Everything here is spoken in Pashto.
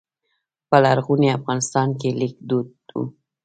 په لرغوني افغانستان کې لیک دود و